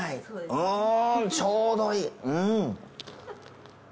うんちょうどいい。